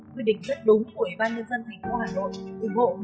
quyết định rất đúng của ubnd tp hà nội ủng hộ một trăm linh